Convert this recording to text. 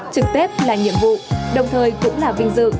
trực tết là nhiệm vụ đồng thời cũng là vinh dự